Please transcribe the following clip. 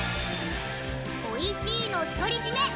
おいしいの独り占め